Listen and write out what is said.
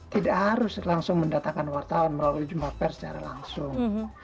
tidak harus langsung mendatangkan wartawan melalui jumpa pers secara langsung